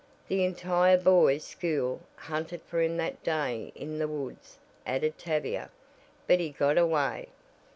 "The entire boys' school hunted for him that day in the woods," added Tavia, "but he got away."